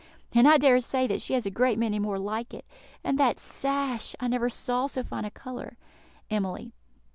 and I dare say that she has a great many more like it. And that sash! I never saw so fine a colour." _Emily.